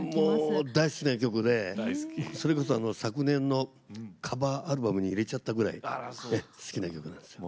もう大好きな曲でそれこそ昨年のカバーアルバムに入れちゃったぐらい好きな曲なんですよ。